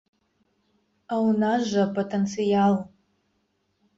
А ў нас жа патэнцыял!